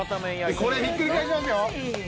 これひっくり返しますよ。